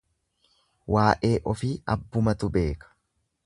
Waa'ee ofi abbumatu beeka.